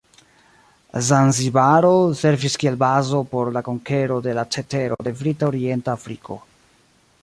Zanzibaro servis kiel bazo por la konkero de la cetero de Brita Orienta Afriko.